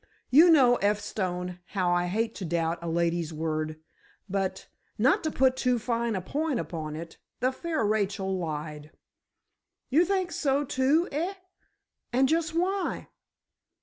"You know, F. Stone, how I hate to doubt a lady's word, but—not to put too fine a point upon it, the fair Rachel lied." "You think so, too, eh? And just why?"